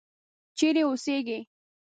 چیرې اوسیږې.